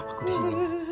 aku di sini